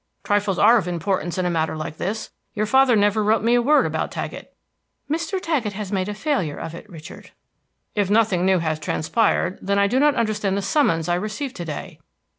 Trifles are of importance in a matter like this. Your father never wrote me a word about Taggett." "Mr. Taggett has made a failure of it, Richard." "If nothing new has transpired, then I do not understand the summons I received to day."